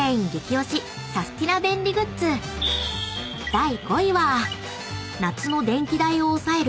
［第５位は］